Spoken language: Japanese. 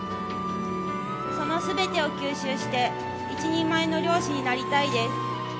その全てを吸収して一人前の漁師になりたいです。